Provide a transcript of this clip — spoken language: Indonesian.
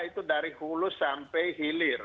itu dari hulu sampai hilir